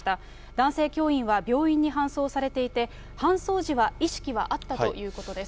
男性教員は病院に搬送されていて、搬送時は意識はあったということです。